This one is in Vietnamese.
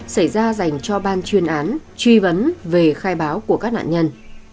xảy ra dành cho ban chuyên án truy vấn về khai báo của các nạn nhân